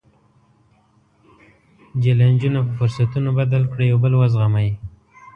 جیلنجونه په فرصتونو بدل کړئ، یو بل وزغمئ.